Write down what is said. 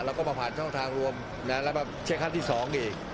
แล้วก็มาผ่านช่องทางรวมแล้วมาเช็คขั้นที่๒อีก